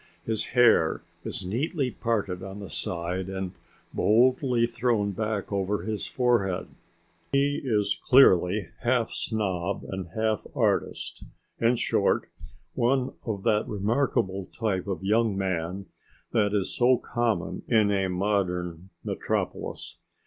His hair is neatly parted on the side and boldly thrown back over his forehead; he is clearly half snob and half artist; in short, one of that remarkable type of young man that is so common in a modern metropolis.